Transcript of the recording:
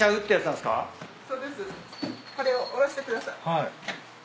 はい。